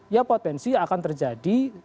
ya potensi akan terjadi